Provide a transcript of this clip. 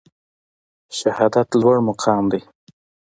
شهادت لوړ مقام دی